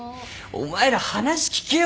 お前ら話聞けよ！